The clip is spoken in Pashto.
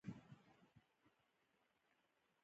د مرمرو کانونه څومره ارزښت لري؟